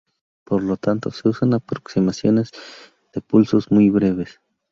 Por lo tanto, se usan aproximaciones de pulsos muy breves.